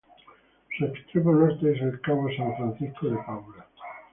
Su extremo norte es el cabo San Francisco de Paula.